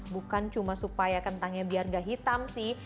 bukan cuma supaya kentangnya biar gak hitam sih